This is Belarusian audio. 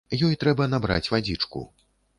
Ёй трэба набраць вадзічку.